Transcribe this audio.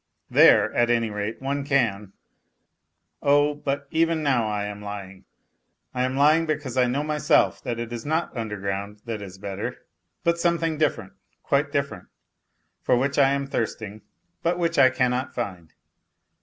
There, at any rate, one can. ... Oh, but even now I am lying I I am lying because I know myself that it is not underground that is better, but something different, qiute different, for which I am thirsting, but which I cannot find